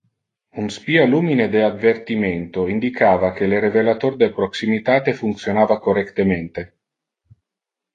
Un spia lumine de advertimento indicava que le revelator de proximitate functionava correctemente.